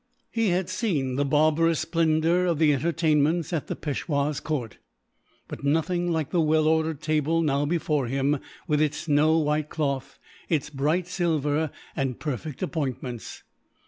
He had seen the barbarous splendour of the entertainments at the Peishwa's court, but nothing like the well ordered table now before him; with its snow white cloth, its bright silver, and perfect appointments.